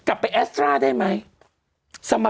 กลับไปแอสตราได้ไหม